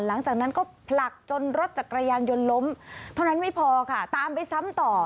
หลังจากนั้นก็ผลักจนรถจักรยานยนต์ล้มเท่านั้นไม่พอค่ะตามไปซ้ำต่อ